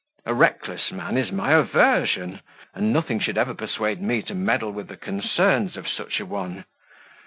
A reckless man is my aversion, and nothing should ever persuade me to meddle with the concerns of such a one.